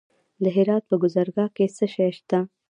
د هرات په ګذره کې څه شی شته؟